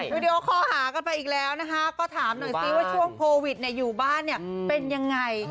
วิดีโอคอลหากันไปอีกแล้วนะคะก็ถามหน่อยซิว่าช่วงโควิดอยู่บ้านเนี่ยเป็นยังไง